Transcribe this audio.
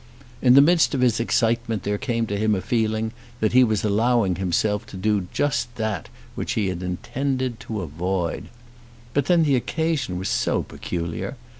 In the midst of his excitement there came to him a feeling that he was allowing himself to do just that which he had intended to avoid. But then the occasion was so peculiar!